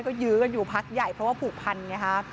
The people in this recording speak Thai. ก็ยื้อกันอยู่พักใหญ่เพราะว่าผูกพันไงฮะ